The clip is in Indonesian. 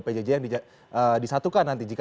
pjj yang disatukan nanti jika